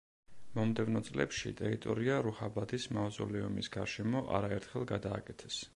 მომდევნო წლებში ტერიტორია რუჰაბადის მავზოლეუმის გარშემო არაერთხელ გადააკეთეს.